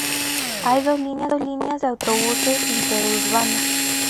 Hay dos líneas de autobuses interurbanos.